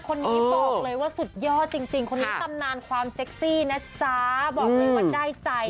คนนี้บอกเลยว่าสุดยอดจริงคนนี้ตำนานความเซ็กซี่นะจ๊ะบอกเลยว่าได้ใจ